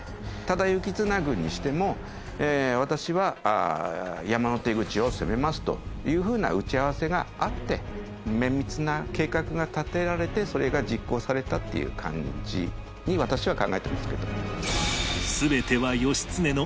多田行綱軍にしても私は山手口を攻めますというふうな打ち合わせがあって綿密な計画が立てられてそれが実行されたっていう感じに私は考えてますけど。